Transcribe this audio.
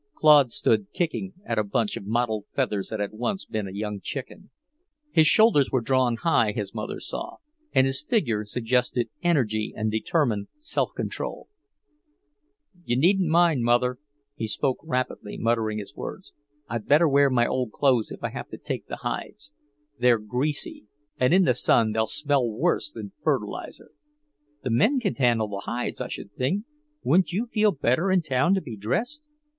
Claude stood kicking at a bunch of mottled feathers that had once been a young chicken. His shoulders were drawn high, his mother saw, and his figure suggested energy and determined self control. "You needn't mind, mother." He spoke rapidly, muttering his words. "I'd better wear my old clothes if I have to take the hides. They're greasy, and in the sun they'll smell worse than fertilizer." "The men can handle the hides, I should think. Wouldn't you feel better in town to be dressed?"